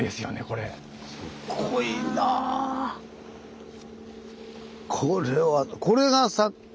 これはこれが桜島。